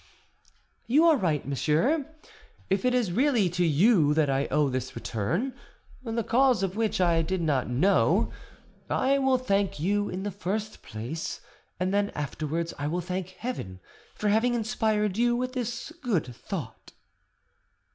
"You are right, monsieur: if it is really to you that I owe this return, the cause of which I did not know, I will thank you in the first place; and then afterwards I will thank Heaven for having inspired you with this good thought."